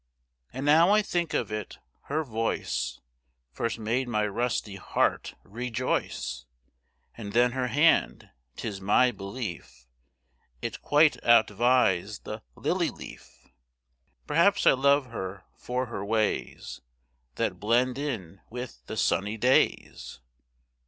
And now I think of it, her voice First made my rusty heart rejoice And then her hand 'tis my belief It quite outvies the lily leaf. Perhaps I love her for her ways That blend in with the sunny days.